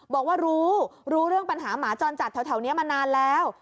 บอกว่ารู้รู้เรื่องปัญหาหมาจรจัดแถวนี้มานานแล้ว